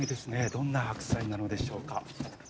どんな白菜なのでしょうか？